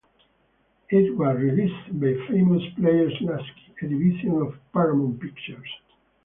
It was released by Famous Players-Lasky, a division of Paramount Pictures.